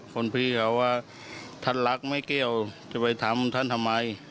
คนพี่เขาว่าท่านรักไม่เกี่ยวจะไปทำท่านทำไม